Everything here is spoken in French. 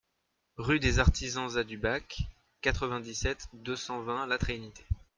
Rue des Artisans-Za du Bac, quatre-vingt-dix-sept, deux cent vingt La Trinité